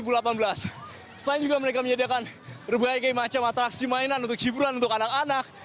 selain juga mereka menyediakan berbagai macam atraksi mainan untuk hiburan untuk anak anak